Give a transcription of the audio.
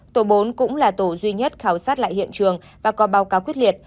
tổ bốn cũng là tổ duy nhất khảo sát lại hiện trường và có báo cáo quyết liệt